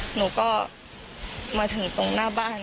หนูก็มาถึงตรงหน้าบ้าน